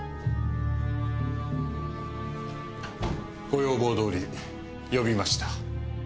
ご要望どおり呼びました。